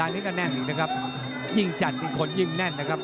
อันนี้ก็แน่นอยู่นะครับยิ่งจัดอีกคนยิ่งแน่นนะครับ